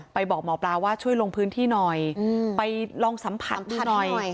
บอกหมอปลาว่าช่วยลงพื้นที่หน่อยไปลองสัมผัสดูหน่อย